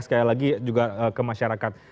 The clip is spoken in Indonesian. sekali lagi juga ke masyarakat